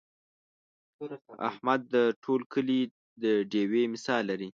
احمد د ټول کلي د ډېوې مثال لري.